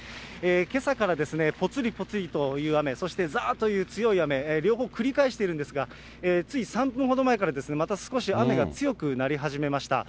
けさからぽつりぽつりという雨、そしてざーっという強い雨、両方繰り返しているんですが、つい３分ほど前から、また少し雨が強くなり始めました。